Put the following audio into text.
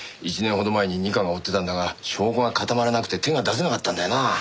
１年ほど前に二課が追ってたんだが証拠が固まらなくて手が出せなかったんだよな。